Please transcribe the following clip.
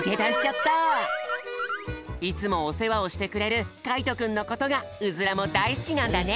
いつもおせわをしてくれるかいとくんのことがウズラもだいすきなんだね！